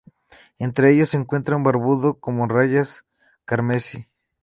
Entre ellos se encuentra un barbudo como rayas carmesí.